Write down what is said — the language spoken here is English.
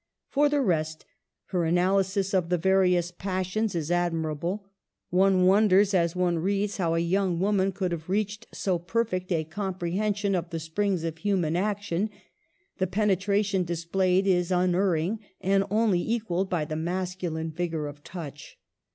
For the rest, her analysis of the various passions is admirable. One wonders as one reads how a young woman could have reached so perfect a Digitized by VjOOQIC HER WORKS. 21$ comprehension of the springs of human action. The penetration displayed is unerring, and only equalled by the masculine vigor of touch.